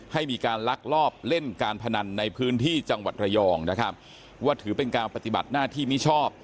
ให้มีการลักลอบเล่นการพนันในพื้นที่จังหวัดระยองนะครับว่าถือเป็นการปฏิบัติหน้าที่มิชอบ